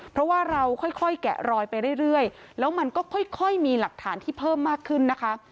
เพราะว่าเราค่อยแกะรอยไปเรื่อยแล้วมันก็ค่อยมีหลักฐานที่เพิ่มมากขึ้นนะคะ